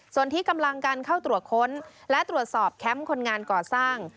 ส่วนที่กำลังการเข้าตรวจค้นและตรวจสอบแคมป์คนงานก่อสร้าง